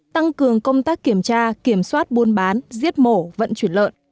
tăng cường công tác kiểm tra kiểm soát buôn bán giết mổ vận chuyển lợn